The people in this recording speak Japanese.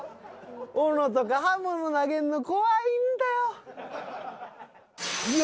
おのとか刃物投げるの怖いんだよ。